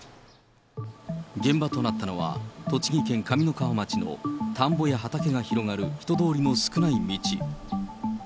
現場となったのは、栃木県上三川町の田んぼや畑が広がる人通りの少ない道。